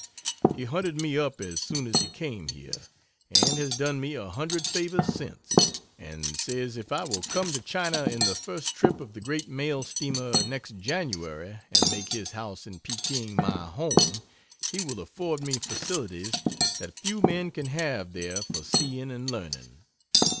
He hunted me up as soon as he came here, and has done me a hundred favors since, and says if I will come to China in the first trip of the great mail steamer next January and make his house in Pekin my home, he will afford me facilities that few men can have there for seeing and learning.